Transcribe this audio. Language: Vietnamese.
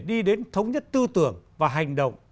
đi đến thống nhất tư tưởng và hành động